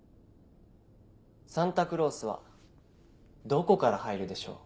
サンタクロースはどこから入るでしょう？